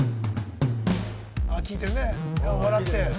聞いているね、笑って。